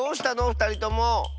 ふたりとも。